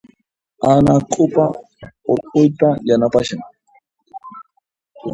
Ana q'upa hurquyta yanapashan.